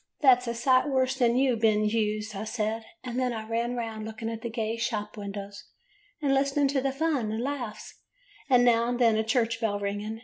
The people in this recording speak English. " 'That 's a sight worse than you, Ben Hewes,' I said. And then I ran round looking at the gay shop windows, and listening to the fun and laughs, and now and then a church bell ringing.